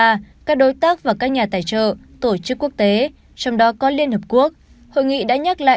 và các đối tác và các nhà tài trợ tổ chức quốc tế trong đó có liên hợp quốc hội nghị đã nhắc lại